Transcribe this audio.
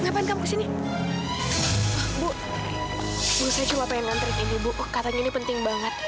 sampai jumpa di video selanjutnya